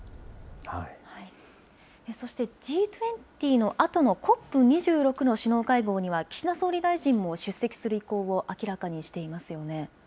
そしてＧ２０のあとのＣＯＰ２６の首脳会合には岸田総理大臣も出席する意向を明らかにしていますよね。